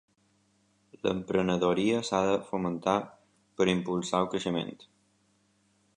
L'emprenedoria s'ha de fomentar per impulsar el creixement.